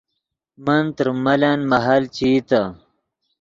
من تریم ملن مہل چے ایتے